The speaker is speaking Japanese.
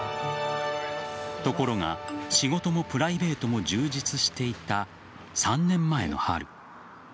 ところが、仕事もプライベートも充実していた３年前の春。